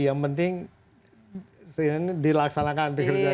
yang penting dilaksanakan